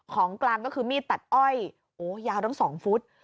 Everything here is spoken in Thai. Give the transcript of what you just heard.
ของกลางก็คือมีดตัดอ้อยโอ้ยาวทั้งสองฟุต